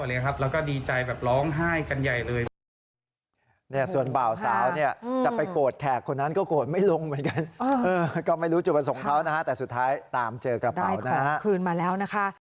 เราก็ดีใจร้องไห้กันใหญ่เลย